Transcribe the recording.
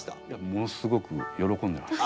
ものすごく喜んでました。